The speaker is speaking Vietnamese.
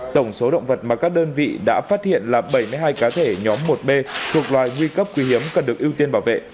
tổng số động vật mà các đơn vị đã phát hiện là bảy mươi hai cá thể nhóm một b thuộc loài nguy cấp quý hiếm cần được ưu tiên bảo vệ